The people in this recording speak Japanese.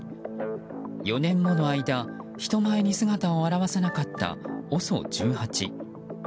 ４年もの間、人前に姿を現さなかったＯＳＯ１８。